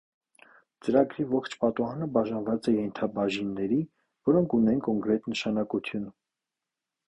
Ծրագրի ողջ պատուհանը բաժանված է ենթաբաժանինների, որոնք ունեն կոնկրետ նշանակություն։